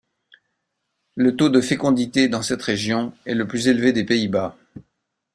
Le taux de fécondité dans cette région est le plus élevé des Pays-Bas.